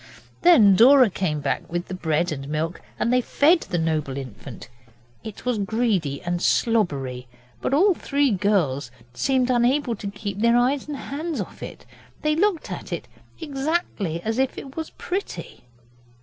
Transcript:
Then Dora came back with the bread and milk, and they fed the noble infant. It was greedy and slobbery, but all three girls seemed unable to keep their eyes and hands off it. They looked at it exactly as if it was pretty.